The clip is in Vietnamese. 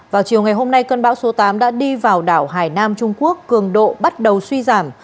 vào chiều ngày hôm nay cơn bão số tám đã đi vào đảo hải nam trung quốc cường độ bắt đầu suy giảm